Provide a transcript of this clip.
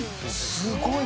すごいわ。